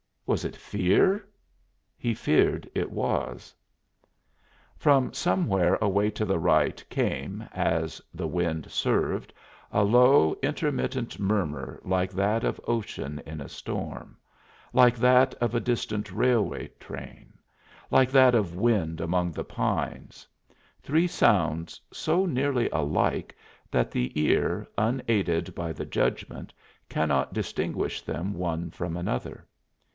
Was it fear? He feared it was. From somewhere away to the right came, as the wind served, a low, intermittent murmur like that of ocean in a storm like that of a distant railway train like that of wind among the pines three sounds so nearly alike that the ear, unaided by the judgment, cannot distinguish them one from another.